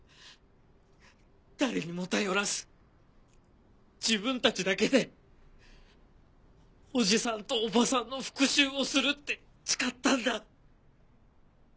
誰にも頼らず自分たちだけでおじさんとおばさんの復讐をするって誓ったんだ。